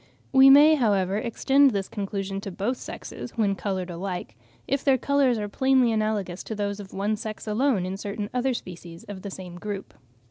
We may, however, extend this conclusion to both sexes, when coloured alike, if their colours are plainly analogous to those of one sex alone in certain other species of the same group.